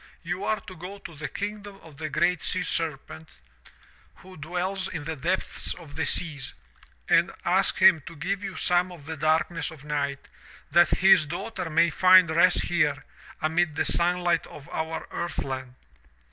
'You are to go to the kingdom of the GREAT SEA SERPENT, who 212 THROUGH FAIRY HALLS dwells in the depths of the seas, and ask him to give you some of the darkness of night, that his daughter may find rest here amid the sunlight of our earth land.